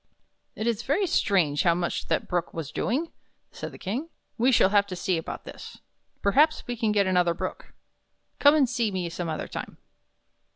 "It is very strange how much that Brook was doing," said the King. "We shall have to see about this. Perhaps we can get another Brook. Come and see me some other time."